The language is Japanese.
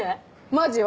マジよ